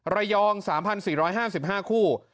ระยอง๓๔๕๕คู่